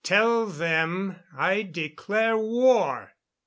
Tell them I declare war!